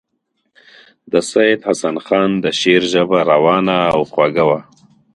د سید حسن خان د شعر ژبه روانه او خوږه وه.